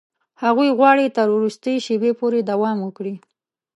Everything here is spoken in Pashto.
هغوی غواړي تر وروستي شېبې پورې دوام ورکړي.